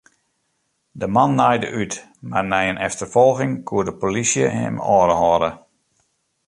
De man naaide út, mar nei in efterfolging koe de polysje him oanhâlde.